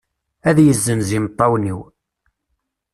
Ad yezzenz imeṭṭawen-iw.